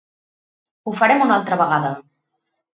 Ho farem una altra vegada!